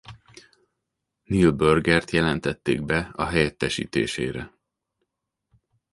Neil Burgert jelentették be a helyettesítésére.